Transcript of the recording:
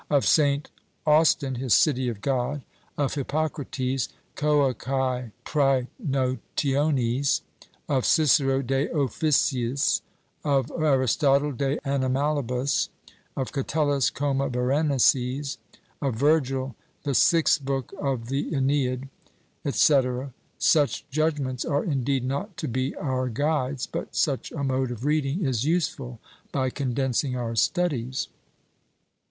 Of St. Austin, his City of God; of Hippocrates, CoacÃḊ PrÃḊnotiones; of Cicero, De Officiis; of Aristotle, De Animalibus; of Catullus, Coma Berenices; of Virgil, the sixth book of the Ãneid, &c. Such judgments are indeed not to be our guides; but such a mode of reading is useful, by condensing our studies.